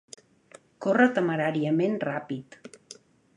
Corra temeràriament ràpid.